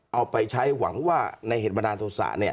เอาไปใช้หวังว่าในเหตุบันดาลโทษะ